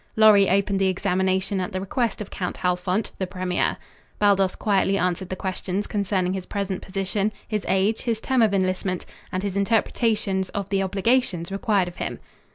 Lorry opened the examination at the request of Count Halfont, the premier. Baldos quietly answered the questions concerning his present position, his age, his term of enlistment, and his interpretations of the obligations required of him.